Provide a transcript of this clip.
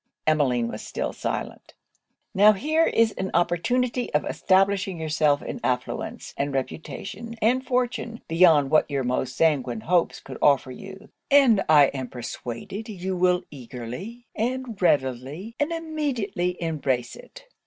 Emmeline was still silent. 'Now here is an opportunity of establishing yourself in affluence, and reputation, and fortune, beyond what your most sanguine hopes could offer you; and I am persuaded you will eagerly, and readily, and immediately embrace it.